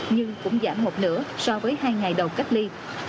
nhưng cũng giảm một nửa so với hai ngày đầu cách ly